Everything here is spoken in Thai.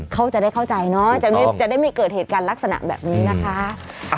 เขาจะได้เข้าใจเนาะจะได้ไม่เกิดเหตุการณ์ลักษณะแบบนี้นะคะ